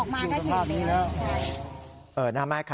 ออกมาก็เห็นแล้วมันถึงสภาพนี้นะ